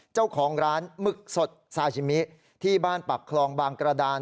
เจ้าของร้านหมึกสดซาชิมิที่บ้านปักคลองบางกระดาน